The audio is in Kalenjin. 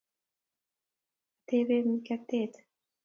Atebe mkeket